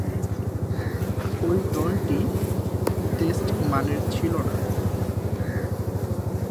ঐ দলটি টেস্ট মানের ছিল না।